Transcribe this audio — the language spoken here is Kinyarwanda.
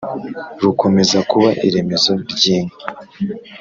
Rukomeza kuba iremezo ry’ inka,